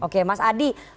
oke mas adi